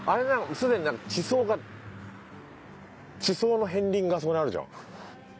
すでに地層が地層の片鱗があそこにあるじゃん。